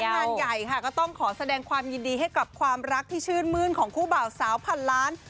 งานใหญ่ค่ะก็ต้องขอแสดงความยินดีให้กับความรักที่ชื่นมื้นของคู่บ่าวสาวพันล้าน